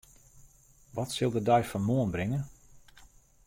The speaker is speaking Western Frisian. Wat sil de dei fan moarn bringe?